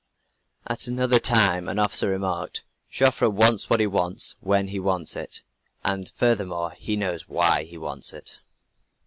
At another time an officer remarked: "Joffre wants what he wants when he wants it and furthermore he knows why he wants it!"